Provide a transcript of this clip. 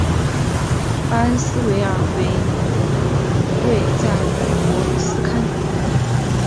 巴恩斯维尔为位在美国堪萨斯州波旁县的非建制地区。